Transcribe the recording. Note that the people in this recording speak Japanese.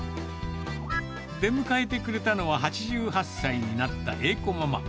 出迎えてくれたのは８８歳になった栄子ママ。